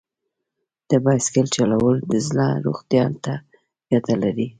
د بایسکل چلول د زړه روغتیا ته ګټه لري.